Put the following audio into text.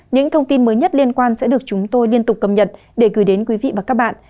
những thông tin mới nhất liên quan sẽ được chúng tôi liên tục cập nhật để gửi đến quý vị và các bạn